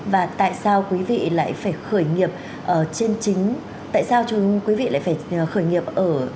và tại sao quý vị lại phải khởi nghiệp ở trên chính tại sao quý vị lại phải khởi nghiệp ở